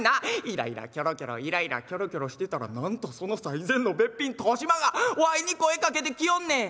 イライラキョロキョロイライラキョロキョロしてたらなんとその最前のべっぴん年増がわいに声かけてきよんねん。